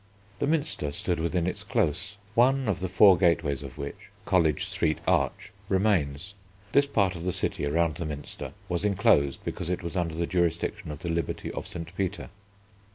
The Minster stood within its Close, one of the four gateways of which, College Street Arch, remains. This part of the city around the Minster was enclosed because it was under the jurisdiction of the Liberty of St. Peter.